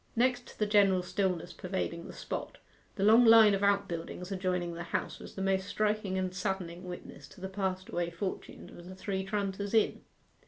Next to the general stillness pervading the spot, the long line of outbuildings adjoining the house was the most striking and saddening witness to the passed away fortunes of the Three Tranters Inn.